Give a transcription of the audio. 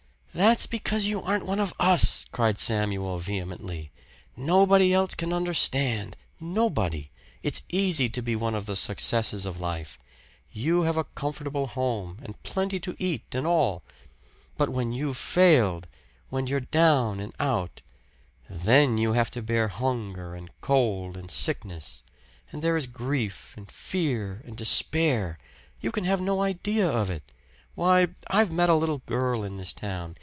"That's because you aren't one of us!" cried Samuel vehemently. "Nobody else can understand nobody! It's easy to be one of the successes of life. You have a comfortable home and plenty to eat and all. But when you've failed when you're down and out then you have to bear hunger and cold and sickness. And there is grief and fear and despair you can have no idea of it! Why, I've met a little girl in this town.